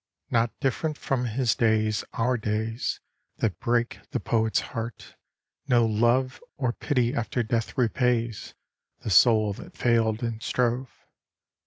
Not different from his days our days, That break the poet's heart. No love Or pity after death repays The soul that failed and strove.